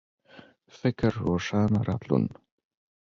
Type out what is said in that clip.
فکر روښانه راتلون